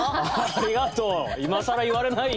ありがとう。